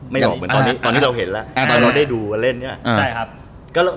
ไม่บอกเหมือนตอนนี้เราเห็นแล้วเราได้ดูกันเล่นใช่ไหม